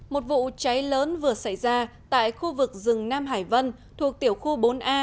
một vụ cháy lớn vừa xảy ra tại khu vực rừng nam hải vân thuộc tiểu khu bốn a